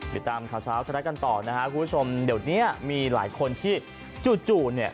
ติดตามข่าวเช้าไทยรัฐกันต่อนะฮะคุณผู้ชมเดี๋ยวเนี้ยมีหลายคนที่จู่จู่เนี่ย